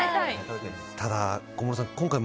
ただ、小室さん